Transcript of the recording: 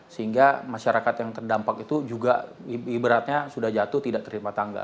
sehingga masyarakat yang terdampak itu juga ibaratnya sudah jatuh tidak terima tangga